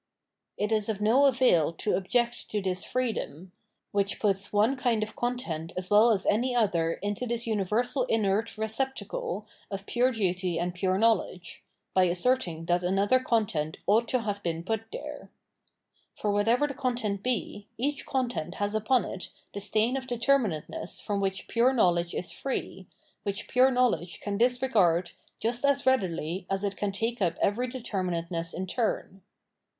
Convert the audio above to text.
It is of no avail to object to this freedom — which puts one kind of content as well as any other into this uni versal inert receptacle of pure duty and pure know ledge — by asserting that another content ought to have been put there. For whatever the content be, each content has upon it the stain of determinateness from 656 Phenomenology of Mind whicli pure knowledge is free, which pure knowledge can disregard just as readily as it can take up every determinateness in turn.